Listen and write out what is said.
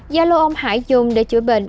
gia lô ông hải dùng để chữa bệnh